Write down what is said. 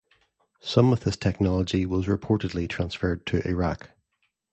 Some of this technology was reportedly transferred to Iraq.